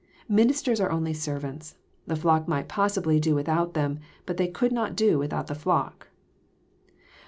Minis ters are only servants. The fiock might possibly do without them, but they could not do without the fiock.